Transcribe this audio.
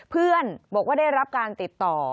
เพื่อนบอกว่าได้รับการติดต่อ